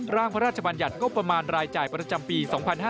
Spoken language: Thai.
พระราชบัญญัติงบประมาณรายจ่ายประจำปี๒๕๕๙